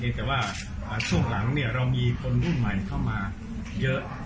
แต่ว่าช่วงหลังเรามีคนรุ่นใหม่เข้ามาเยอะ